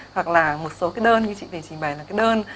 hoặc là một số cái đơn như chị phải trình bày là cái đơn